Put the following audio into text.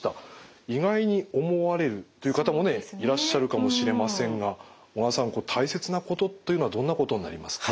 意外に思われるという方もねいらっしゃるかもしれませんが小川さん大切なことというのはどんなことになりますか？